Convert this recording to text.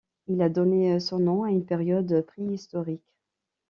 Il a donné son nom à une période préhistorique.